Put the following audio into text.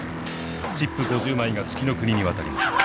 チップ５０枚が月ノ国に渡ります。